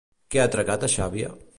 Què ha atracat a Xàbia?